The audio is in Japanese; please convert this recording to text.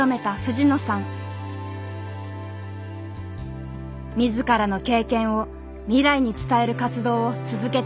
自らの経験を未来に伝える活動を続けています。